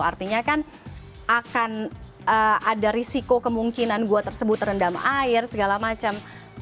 artinya kan akan ada risiko kemungkinan gua tersebut terendam air segala macam